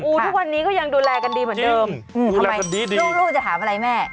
ทุกวันนี้ก็ยังดูแลกันดีเหมือนเดิมทำไมลูกจะถามอะไรแม่